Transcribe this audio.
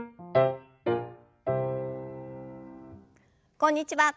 こんにちは。